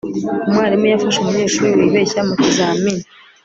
umwarimu yafashe umunyeshuri wibeshya mu kizamini